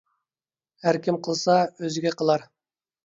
ھەركىم قىلسا ئۆزىگە قىلار.